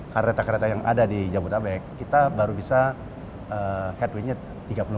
kereta kereta yang ada di jabodetabek kita baru bisa headway nya tiga puluh menit